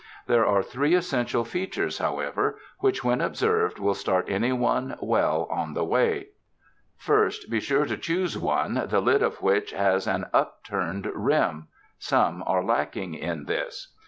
There are three essential features however, which when observed will start anyone well on the way: First, be sure to choose one the lid of which has an upturned rim. Some are lacking in this.